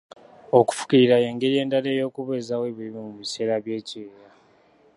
Okufukirira y'engeri endala ey'okubeezaawo ebirime mu biseera by'ekyeya.